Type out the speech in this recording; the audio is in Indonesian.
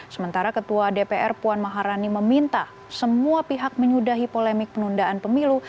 sementara ketua dpr puan maharani meminta semua pihak menyudahi polemik penundaan pemilu